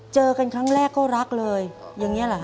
เจอกันครั้งแรกก็รักเลยอย่างนี้เหรอฮ